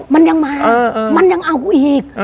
มันยังมามันยังเอากูอีก